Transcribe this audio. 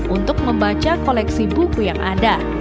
untuk membaca koleksi buku yang ada